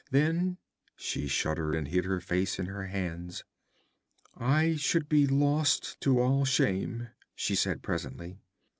Then ' She shuddered and hid her face in her hands. 'I should be lost to all shame,' she said presently.